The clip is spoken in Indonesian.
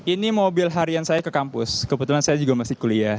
ini mobil harian saya ke kampus kebetulan saya juga masih kuliah